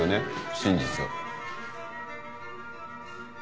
真実を。